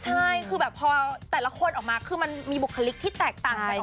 ใช่คือแบบพอแต่ละคนออกมาคือมันมีบุคลิกที่แตกต่างกัน